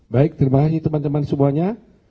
baik terima kasih teman teman semuanya